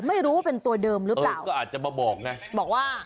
ไม่รู้ว่าเป็นตัวเดิมหรือเปล่าก็อาจจะมาบอกไงบอกว่า